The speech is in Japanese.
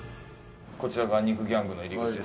こちらが肉ギャングの入り口です。